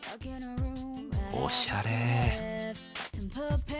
おしゃれ。